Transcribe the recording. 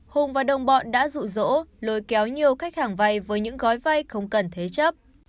hùng và đồng bọn đã rụ rỗ lôi kéo nhiều khách hàng vay với những gói vay không cần thế chấp